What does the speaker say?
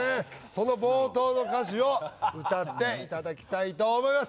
その冒頭の歌詞を歌っていただきたいと思います